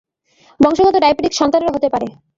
বংশগত ডায়াবেটিস সন্তানেরও হতে পারে।